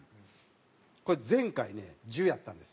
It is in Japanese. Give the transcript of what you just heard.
これ前回ね１０やったんです。